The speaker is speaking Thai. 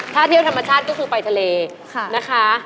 ถ้าเที่ยวธรรมชาติก็คือไปทะเลนะคะ